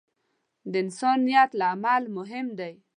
د انسان نیت له عمل مهم دی.